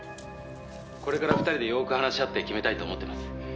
「これから２人でよく話し合って決めたいと思ってます」